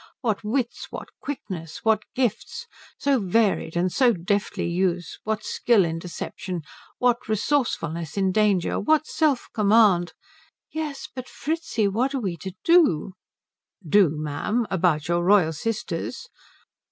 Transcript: What wits, what quickness, what gifts so varied and so deftly used what skill in deception, what resourcefulness in danger, what self command " "Yes but Fritzi what are we to do?" "Do, ma'am? About your royal sisters?